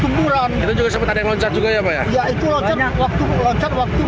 itu juga sempat ada yang loncat juga ya pak ya